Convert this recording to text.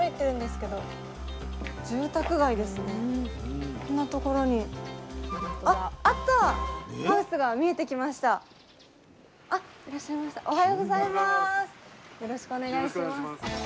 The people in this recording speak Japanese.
よろしくお願いします。